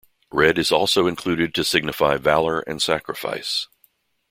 Red is also included to signify valor and sacrifice.